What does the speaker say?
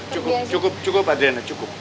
cukup cukup cukup adriana cukup